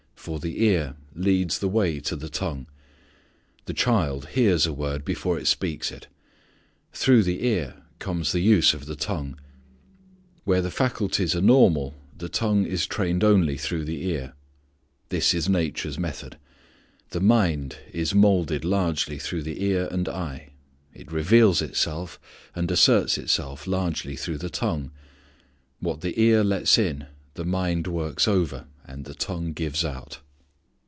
For the ear leads the way to the tongue. The child hears a word before it speaks it. Through the ear comes the use of the tongue. Where the faculties are normal the tongue is trained only through the ear. This is nature's method. The mind is moulded largely through the ear and eye. It reveals itself, and asserts itself largely through the tongue. What the ear lets in, the mind works over, and the tongue gives out.